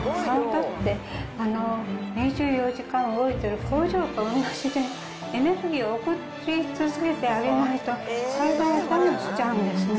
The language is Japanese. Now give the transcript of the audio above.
体って２４時間動いてる工場と同じで、エネルギーを送り続けてあげないと、体がダウンしちゃうんですね。